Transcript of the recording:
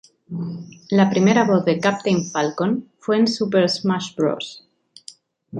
La primera voz de Captain Falcon fue en Super Smash Bros.